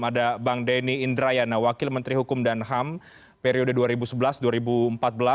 ada bang denny indrayana wakil menteri hukum dan ham periode dua ribu sebelas dua ribu empat belas